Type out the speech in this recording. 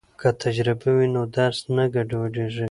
که تجربه وي نو درس نه ګډوډیږي.